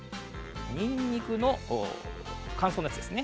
にんにくの乾燥のやつですね。